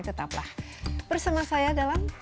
tetaplah bersama saya dalam